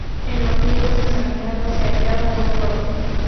En los nidos examinados se hallaron dos huevos.